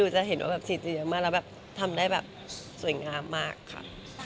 จะแบบทำได้แบบสวยงามมากค่ะ